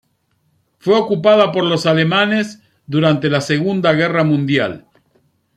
Fue ocupada por los alemanes durante la Segunda Guerra Mundial.